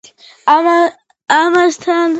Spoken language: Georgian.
ამასთან, იგი წერდა სიმღერების ტექსტებსაც.